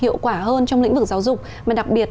hiệu quả hơn trong lĩnh vực giáo dục mà đặc biệt